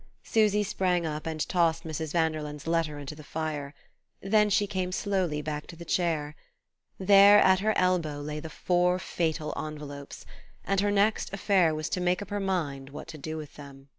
Susy sprang up and tossed Mrs. Vanderlyn's letter into the fire: then she came slowly back to the chair. There, at her elbow, lay the four fatal envelopes; and her next affair was to make up her mind what to do with them.